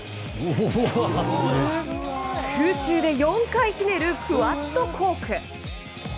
空中で４回ひねるクアッドコーク。